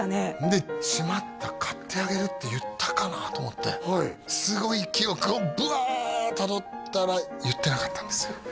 でしまった買ってあげるって言ったかなと思ってすごい記憶をブワーッとたどったら言ってなかったんですよ